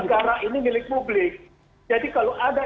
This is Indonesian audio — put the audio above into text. negara ini milik publik jadi kalau ada investor di sini kalau sudah ada panas